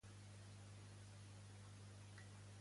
Què li han fet les conyes de la Paulina?